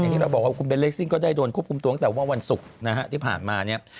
ที่เราบอกว่าคุณเบนเลสซิ่งก็ได้โดนควบคุมตัวตั้งแต่เมื่อวันศุกร์นะฮะที่ผ่านมาเนี่ย